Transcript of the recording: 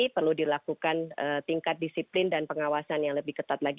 perlu dilakukan tingkat disiplin dan pengawasan yang lebih ketat lagi